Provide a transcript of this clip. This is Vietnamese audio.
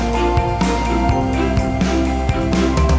hoãn vôn gisp rival